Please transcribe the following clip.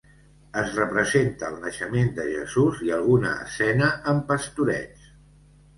Es representa el naixement de Jesús i alguna escena amb pastorets.